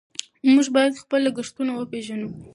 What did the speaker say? موږ باید خپل لګښتونه وپېژنو.